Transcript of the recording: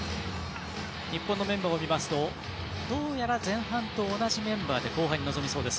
日本のメンバーを見ますとどうやら前半と同じメンバーで後半に臨めそうです。